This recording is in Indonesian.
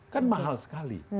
kan mahal sekali